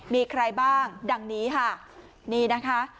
มีใครบ้างดังนี้ค่ะนี่นะคะ